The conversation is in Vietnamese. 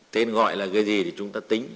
tên gọi là cái gì thì chúng ta tính